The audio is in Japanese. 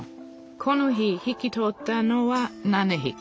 この日引き取ったのは７ひき